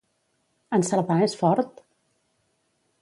En Cerdà és fort?